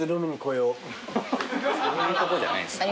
そういうとこじゃないんですよね。